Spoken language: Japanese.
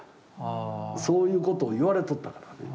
そういうことを言われとったからね。